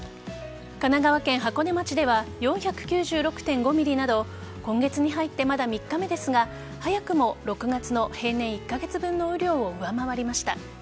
神奈川県箱根町では４９６．５ｍｍなど今月に入ってまだ３日目ですが早くも６月の平年１カ月分の雨量を上回りました。